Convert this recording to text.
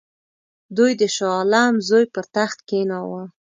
دوی د شاه عالم زوی پر تخت کښېناوه.